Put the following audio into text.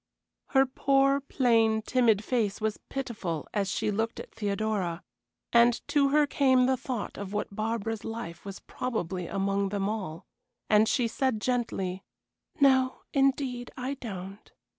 Her poor, plain, timid face was pitiful as she looked at Theodora, and to her came the thought of what Barbara's life was probably among them all, and she said, gently: "No, indeed, I don't.